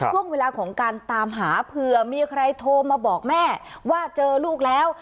ช่วงเวลาของการตามหาเผื่อมีใครโทรมาบอกแม่ว่าเจอลูกแล้ว